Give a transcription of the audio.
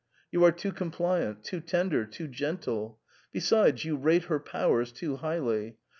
You are too compliant, too ten der, too gentle. Besides, you rate her powers too highly.